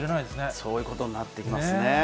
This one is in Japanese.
そういうことになってきますね。